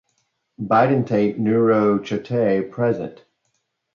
Bidentate neurochaetae present.